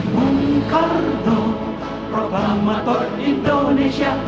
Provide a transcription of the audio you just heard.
bung karno propagandor indonesia